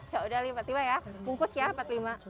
ya udah empat puluh lima ya bungkus ya empat puluh lima